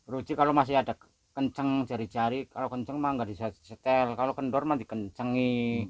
ruji kalau masih ada kenceng jari jari kalau kenceng mah nggak bisa setel kalau kendor mah dikencengi